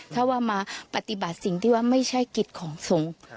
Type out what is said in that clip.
ถ้าว่ามาปฏิบัติสิ่งที่ว่าไม่ใช่กิจของสงฆ์